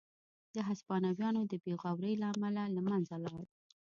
د هسپانویانو د بې غورۍ له امله له منځه لاړ.